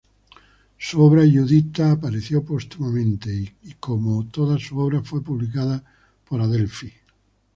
Su obra "Giuditta" apareció póstumamente; y, como toda su obra, fue publicada por Adelphi.